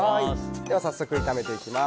早速炒めていきます。